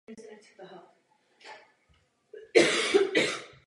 Spolu s katedrálou v Magdeburgu je příkladem nejranější německé gotiky.